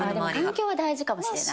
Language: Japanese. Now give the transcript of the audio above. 環境は大事かもしれない。